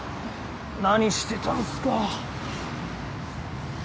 何してたんすか？